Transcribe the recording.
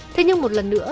thế nhưng một lần nữa